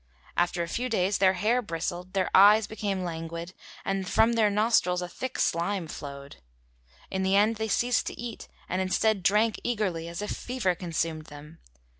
After a few days their hair bristled, their eyes became languid, and from their nostrils a thick slime flowed. In the end they ceased to eat and instead drank eagerly, as if fever consumed them.